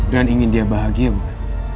dan ingin dia bahagia bukan